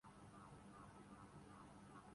خاموشی اس قدر تھی